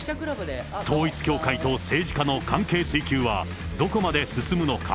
統一教会と政治家の関係追及はどこまで進むのか。